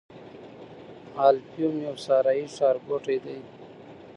الفیوم یو صحرايي ښارګوټی دی.